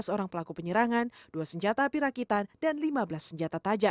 tujuh belas orang pelaku penyerangan dua senjata api rakitan dan lima belas senjata tajam